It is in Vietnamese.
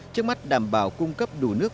trước mắt đảm bảo cung cấp đủ nước